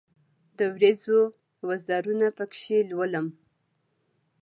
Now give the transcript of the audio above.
د اوریځو وزرونه پکښې لولم